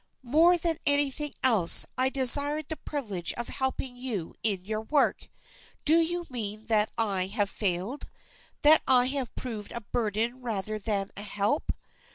"More than anything else I desired the privilege of helping you in your work. Do you mean that I have failed? That I have proved a burden rather than a help?"